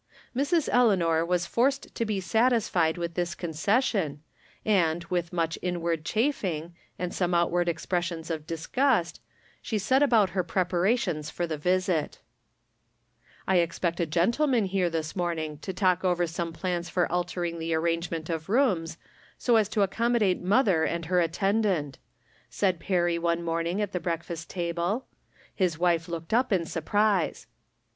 Mrs. Eleanor was forced to be satisfied with this concession, and, with much inward chafing, and some outward expressions of disgust, she set about her preparations for the visit. " I expect a gentleman here this morning to talk over some plans for altering the arrangement From Different Standpoints. 265 of rooms, so as to accommodate mother and Iter attendant," said Perry one morning at the break fast table. His wife looked up in surprise.